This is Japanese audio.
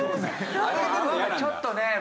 ちょっとね